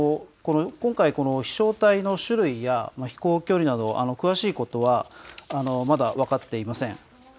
今回、この飛しょう体の種類や飛行距離など、詳しいことはまだ分かっていません。